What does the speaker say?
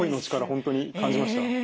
本当に感じました。